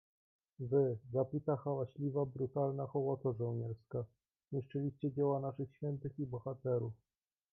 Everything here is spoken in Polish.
"Wy, zapita, hałaśliwa, brutalna hołoto żołnierska, zniszczyliście dzieła naszych świętych i bohaterów!"